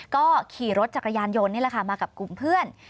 ก็ขี่รถจักรยานยนต์นี่แหละค่ะมากับกลุ่มเพื่อน